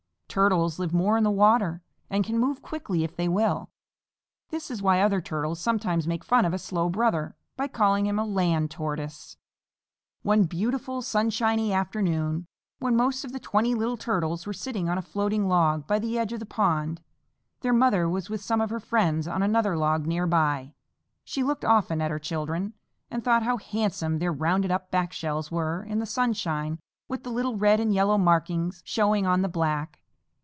Turtles live more in the water and can move quickly if they will. This is why other Turtles sometimes make fun of a slow brother by calling him a Land Tortoise. One beautiful sunshiny afternoon, when most of the twenty little Turtles were sitting on a floating log by the edge of the pond, their mother was with some of her friends on another log near by. She looked often at her children, and thought how handsome their rounded up back shells were in the sunshine with the little red and yellow markings showing on the black.